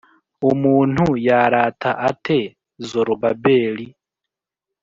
Umuntu yarata ate Zorobabeli,